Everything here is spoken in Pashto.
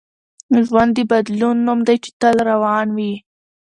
ژوند د بدلون نوم دی چي تل روان وي.